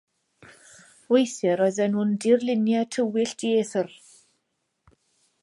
Weithiau roedden nhw'n dirluniau tywyll, dieithr.